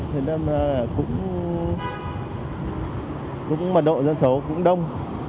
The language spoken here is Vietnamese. thế nên cũng mật độ dân số cũng đông